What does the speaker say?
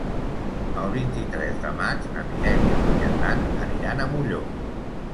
El vint-i-tres de maig na Mireia i en Dan aniran a Molló.